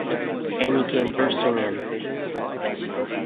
Annie came bursting in.